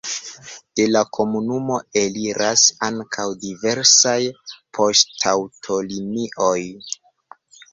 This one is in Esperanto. De la komunumo eliras ankaŭ diversaj poŝtaŭtolinioj.